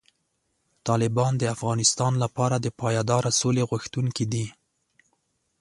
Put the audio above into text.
طالبان د افغانستان لپاره د پایداره سولې غوښتونکي دي.